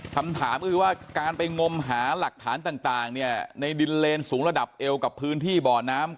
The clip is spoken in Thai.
คำถามก็คือว่าการไปงมหาหลักฐานต่างเนี่ยในดินเลนสูงระดับเอวกับพื้นที่บ่อน้ำ